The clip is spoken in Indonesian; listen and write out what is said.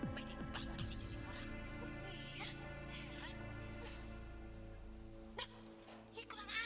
banyak banget sih jadi orang